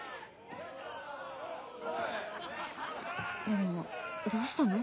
・でもどうしたの？